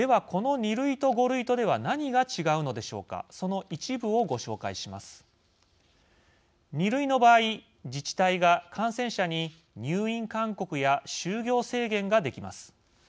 ２類の場合、自治体が感染者に入院勧告や就業制限ができます。